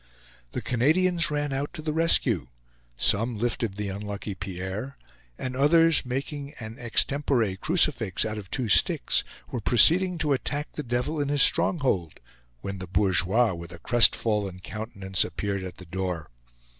The Canadians ran out to the rescue. Some lifted the unlucky Pierre; and others, making an extempore crucifix out of two sticks, were proceeding to attack the devil in his stronghold, when the bourgeois, with a crest fallen countenance, appeared at the door.